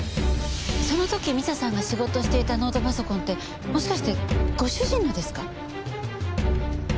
その時美佐さんが仕事をしていたノートパソコンってもしかしてご主人のですか？